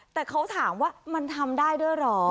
แต่เขาถามว่ามันทำได้ด้วยเหรอ